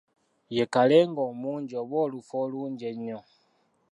Ye Kalenge omungi oba olufu olungi ennyo.